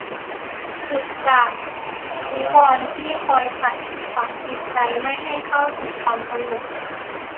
หลุดจากนิวรณ์ที่คอยขัดขวางจิตใจไม่ให้เข้าถึงความสงบ